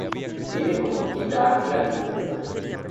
Tiene como tienda ancla Liverpool.